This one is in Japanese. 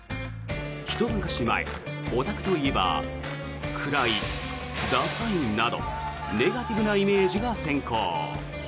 ひと昔前、オタクといえば暗い、ダサいなどネガティブなイメージが先行。